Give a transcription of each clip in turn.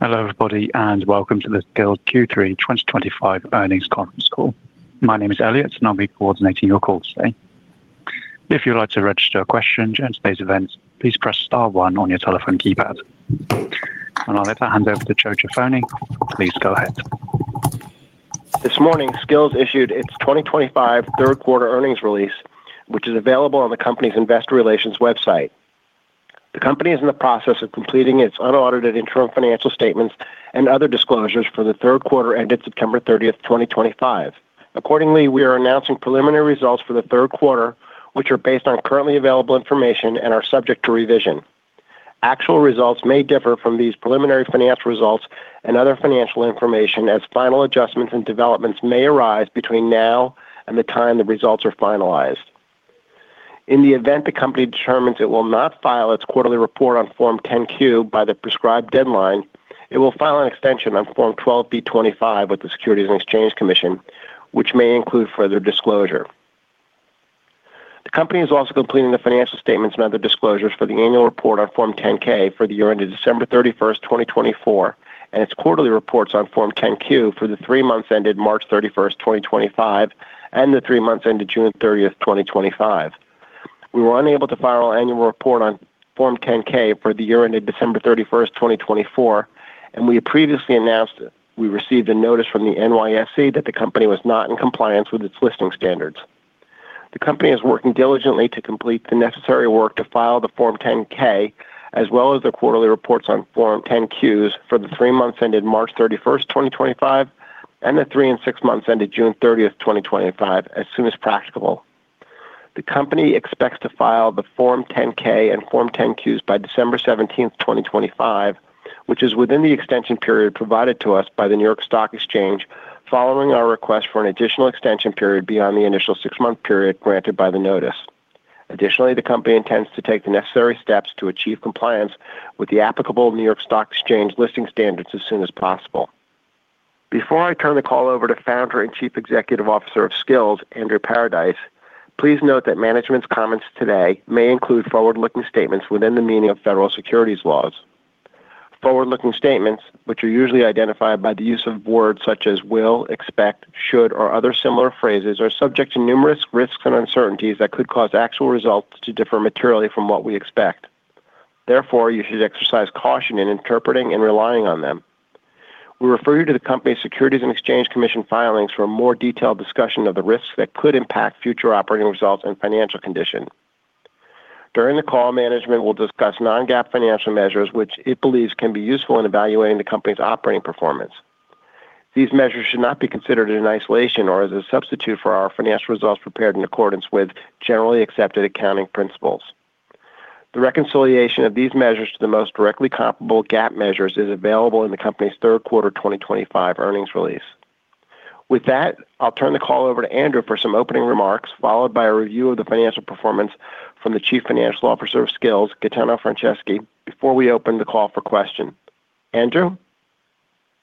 Hello everybody and welcome to the Skillz Q3 2025 earnings conference call. My name is Elliot and I'll be coordinating your call today. If you'd like to register a question during today's event, please press star one on your telephone keypad. I'll let that hand over to Joe Jaffoni. Please go ahead. This morning, Skillz issued its 2025 third quarter earnings release, which is available on the company's investor relations website. The company is in the process of completing its unaudited interim financial statements and other disclosures for the third quarter ended September 30, 2025. Accordingly, we are announcing preliminary results for the third quarter, which are based on currently available information and are subject to revision. Actual results may differ from these preliminary financial results and other financial information, as final adjustments and developments may arise between now and the time the results are finalized. In the event the company determines it will not file its quarterly report on Form 10-Q by the prescribed deadline, it will file an extension on Form 12b-25 with the Securities and Exchange Commission, which may include further disclosure. The company is also completing the financial statements and other disclosures for the annual report on Form 10-K for the year ended December 31, 2024, and its quarterly reports on Form 10-Q for the three months ended March 31, 2025, and the three months ended June 30, 2025. We were unable to file our annual report on Form 10-K for the year ended December 31, 2024, and we had previously announced we received a notice from the New York Stock Exchange that the company was not in compliance with its listing standards. The company is working diligently to complete the necessary work to file the Form 10-K, as well as the quarterly reports on Form 10-Qs for the three months ended March 31, 2025, and the three and six months ended June 30, 2025, as soon as practicable. The company expects to file the Form 10-K and Form 10-Qs by December 17, 2025, which is within the extension period provided to us by the New York Stock Exchange, following our request for an additional extension period beyond the initial six-month period granted by the notice. Additionally, the company intends to take the necessary steps to achieve compliance with the applicable New York Stock Exchange listing standards as soon as possible. Before I turn the call over to Founder and Chief Executive Officer of Skillz, Andrew Paradise, please note that management's comments today may include forward-looking statements within the meaning of federal securities laws. Forward-looking statements, which are usually identified by the use of words such as will, expect, should, or other similar phrases, are subject to numerous risks and uncertainties that could cause actual results to differ materially from what we expect. Therefore, you should exercise caution in interpreting and relying on them. We refer you to the company's Securities and Exchange Commission filings for a more detailed discussion of the risks that could impact future operating results and financial condition. During the call, management will discuss non-GAAP financial measures, which it believes can be useful in evaluating the company's operating performance. These measures should not be considered in isolation or as a substitute for our financial results prepared in accordance with generally accepted accounting principles. The reconciliation of these measures to the most directly comparable GAAP measures is available in the company's third quarter 2025 earnings release. With that, I'll turn the call over to Andrew for some opening remarks, followed by a review of the financial performance from the Chief Financial Officer of Skillz, Gaetano Franceschi, before we open the call for questions. Andrew.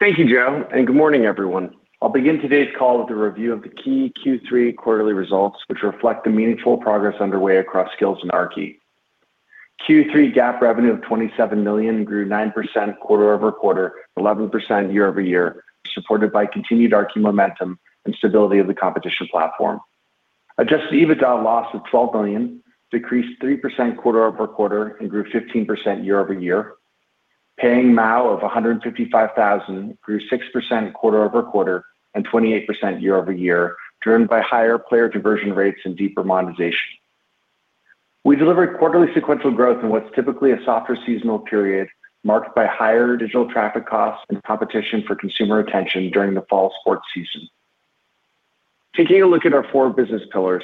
Thank you, Joe, and good morning, everyone. I'll begin today's call with a review of the key Q3 quarterly results, which reflect the meaningful progress underway across Skillz and Aarki. Q3 GAAP revenue of $27 million grew 9% quarter over quarter, 11% year over year, supported by continued Aarki momentum and stability of the competition platform. Adjusted EBITDA loss of $12 million decreased 3% quarter over quarter and grew 15% year over year. Paying MAU of 155,000 grew 6% quarter over quarter and 28% year over year, driven by higher player conversion rates and deeper monetization. We delivered quarterly sequential growth in what's typically a softer seasonal period, marked by higher digital traffic costs and competition for consumer attention during the fall sports season. Taking a look at our four business pillars,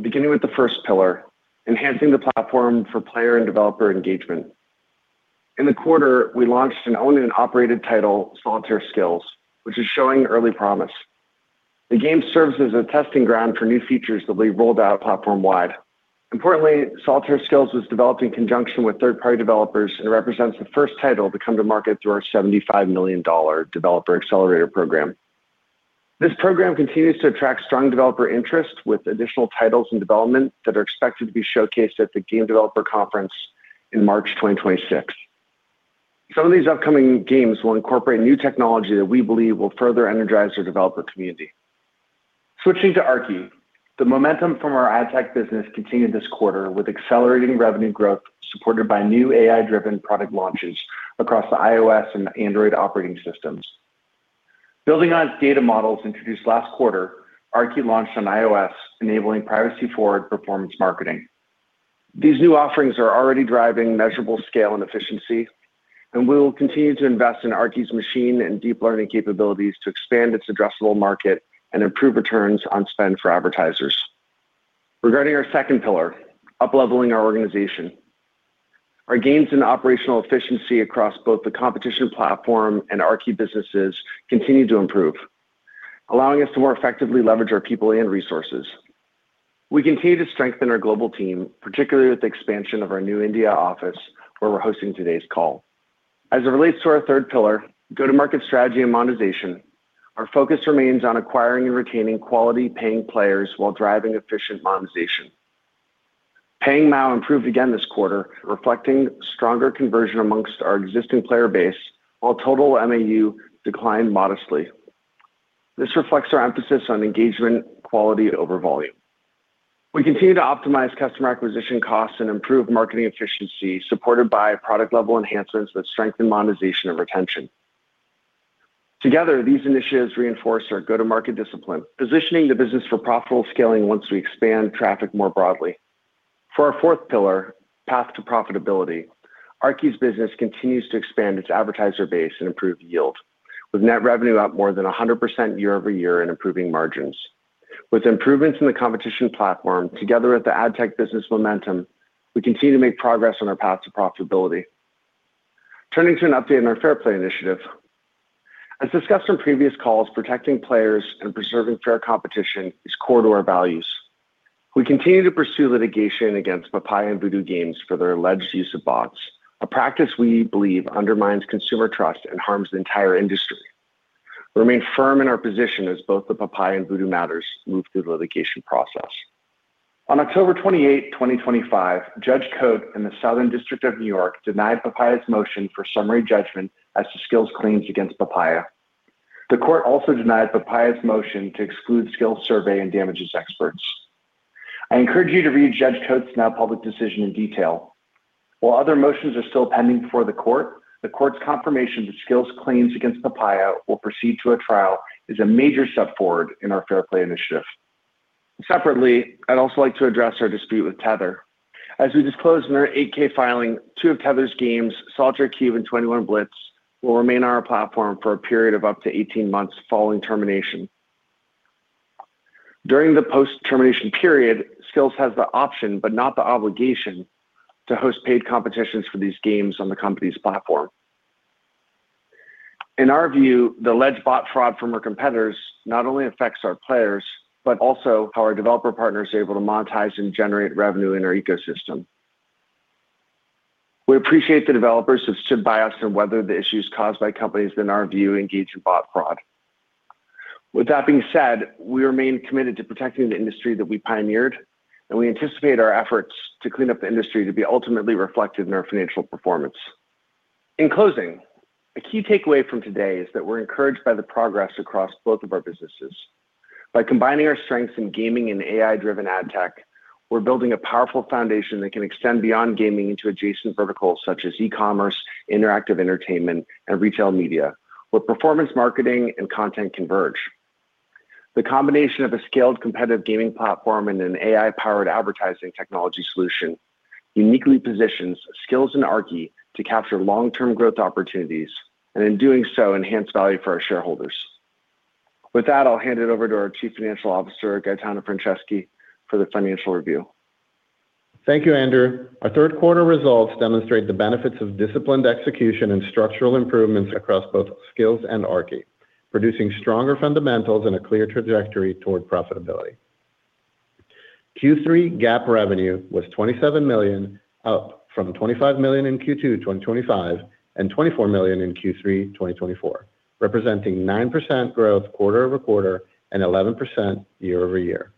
beginning with the first pillar, enhancing the platform for player and developer engagement. In the quarter, we launched an owned and operated title, Solitaire Skills, which is showing early promise. The game serves as a testing ground for new features that will be rolled out platform-wide. Importantly, Solitaire Skills was developed in conjunction with third-party developers and represents the first title to come to market through our $75 million developer accelerator program. This program continues to attract strong developer interest with additional titles in development that are expected to be showcased at the Game Developer Conference in March 2026. Some of these upcoming games will incorporate new technology that we believe will further energize our developer community. Switching to Aarki, the momentum from our ad tech business continued this quarter with accelerating revenue growth supported by new AI-driven product launches across the iOS and Android operating systems. Building on its data models introduced last quarter, Aarki launched on iOS, enabling privacy-forward performance marketing. These new offerings are already driving measurable scale and efficiency, and we will continue to invest in Aarki's machine and deep learning capabilities to expand its addressable market and improve returns on spend for advertisers. Regarding our second pillar, upleveling our organization. Our gains in operational efficiency across both the competition platform and Aarki businesses continue to improve, allowing us to more effectively leverage our people and resources. We continue to strengthen our global team, particularly with the expansion of our new India office, where we're hosting today's call. As it relates to our third pillar, go-to-market strategy and monetization, our focus remains on acquiring and retaining quality paying players while driving efficient monetization. Paying MAU improved again this quarter, reflecting stronger conversion amongst our existing player base, while total MAU declined modestly. This reflects our emphasis on engagement, quality over volume. We continue to optimize customer acquisition costs and improve marketing efficiency, supported by product-level enhancements that strengthen monetization and retention. Together, these initiatives reinforce our go-to-market discipline, positioning the business for profitable scaling once we expand traffic more broadly. For our fourth pillar, path to profitability, Aarki's business continues to expand its advertiser base and improve yield, with net revenue up more than 100% year over year and improving margins. With improvements in the competition platform, together with the ad tech business momentum, we continue to make progress on our path to profitability. Turning to an update in our Fair Play initiative. As discussed in previous calls, protecting players and preserving fair competition is core to our values. We continue to pursue litigation against Papaya and Voodoo Games for their alleged use of bots, a practice we believe undermines consumer trust and harms the entire industry. We remain firm in our position as both the Papaya and Voodoo matters move through the litigation process. On October 28, 2025, Judge Cote in the Southern District of New York denied Papaya's motion for summary judgment as to Skillz' claims against Papaya. The court also denied Papaya's motion to exclude Skillz' survey and damages experts. I encourage you to read Judge Cote's now public decision in detail. While other motions are still pending before the court, the court's confirmation that Skillz' claims against Papaya will proceed to a trial is a major step forward in our Fair Play initiative. Separately, I'd also like to address our dispute with Tether. As we disclosed in our 8-K filing, two of Tether's games, Solitaire Q and 21 Blitz, will remain on our platform for a period of up to 18 months following termination. During the post-termination period, Skillz has the option, but not the obligation, to host paid competitions for these games on the company's platform. In our view, the alleged bot fraud from our competitors not only affects our players, but also how our developer partners are able to monetize and generate revenue in our ecosystem. We appreciate the developers who have stood by us and weathered the issues caused by companies that, in our view, engage in bot fraud. With that being said, we remain committed to protecting the industry that we pioneered, and we anticipate our efforts to clean up the industry to be ultimately reflected in our financial performance. In closing, a key takeaway from today is that we're encouraged by the progress across both of our businesses. By combining our strengths in gaming and AI-driven ad tech, we're building a powerful foundation that can extend beyond gaming into adjacent verticals such as e-commerce, interactive entertainment, and retail media, where performance marketing and content converge. The combination of a scaled competitive gaming platform and an AI-powered advertising technology solution uniquely positions Skillz and Aarki to capture long-term growth opportunities and, in doing so, enhance value for our shareholders. With that, I'll hand it over to our Chief Financial Officer, Gaetano Franceschi, for the financial review. Thank you, Andrew. Our third quarter results demonstrate the benefits of disciplined execution and structural improvements across both Skillz and Aarki, producing stronger fundamentals and a clear trajectory toward profitability. Q3 GAAP revenue was $27 million, up from $25 million in Q2 2025 and $24 million in Q3 2024, representing 9% growth quarter over quarter and 11% year over year.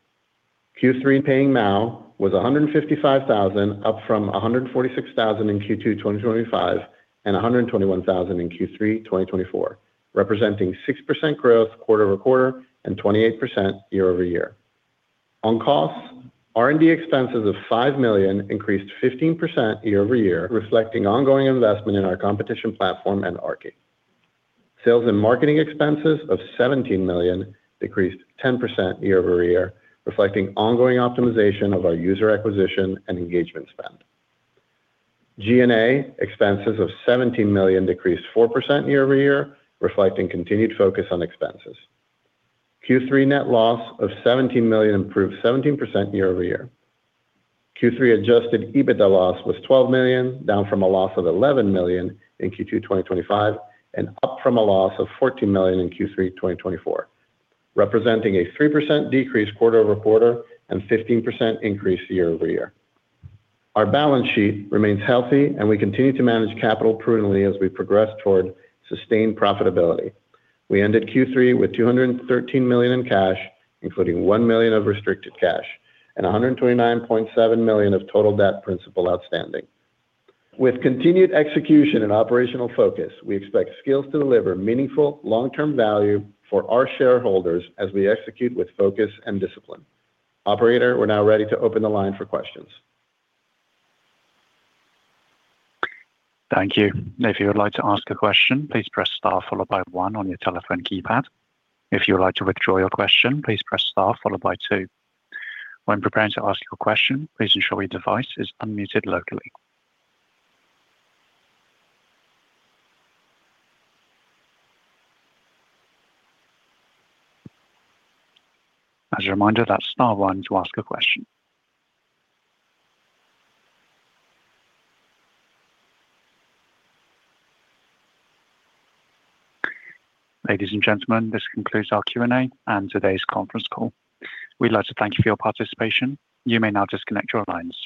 Q3 paying MAU was 155,000, up from 146,000 in Q2 2025 and 121,000 in Q3 2024, representing 6% growth quarter over quarter and 28% year-over-year. On costs, R&D expenses of $5 million increased 15% year-over-year, reflecting ongoing investment in our competition platform and Aarki. Sales and marketing expenses of $17 million decreased 10% year over year, reflecting ongoing optimization of our user acquisition and engagement spend. G&A expenses of $17 million decreased 4% year over year, reflecting continued focus on expenses. Q3 net loss of $17 million improved 17% year over year. Q3 Adjusted EBITDA loss was $12 million, down from a loss of $11 million in Q2 2025 and up from a loss of $14 million in Q3 2024, representing a 3% decrease quarter over quarter and 15% increase year over year. Our balance sheet remains healthy, and we continue to manage capital prudently as we progress toward sustained profitability. We ended Q3 with $213 million in cash, including $1 million of restricted cash and $129.7 million of total debt principal outstanding. With continued execution and operational focus, we expect Skillz to deliver meaningful long-term value for our shareholders as we execute with focus and discipline. Operator, we're now ready to open the line for questions. Thank you. If you would like to ask a question, please press star followed by one on your telephone keypad. If you would like to withdraw your question, please press star followed by two. When preparing to ask your question, please ensure your device is unmuted locally. As a reminder, that's star one to ask a question. Ladies and gentlemen, this concludes our Q&A and today's conference call. We'd like to thank you for your participation. You may now disconnect your lines.